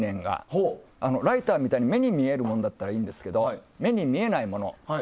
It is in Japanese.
ライターみたいに目に見えるものならいいんですが目に見えないもの。